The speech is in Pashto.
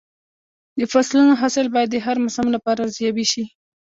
د فصلونو حاصل باید د هر موسم لپاره ارزیابي شي.